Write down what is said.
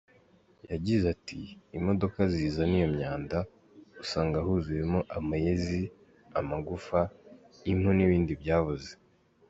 Yagize ati “Imodoka zizana iyo myanda, usanga huzuyemo amayezi, amagufa, impu n’ibindi byaboze.